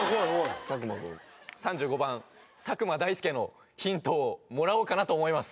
３５番佐久間大介のヒントをもらおうかなと思います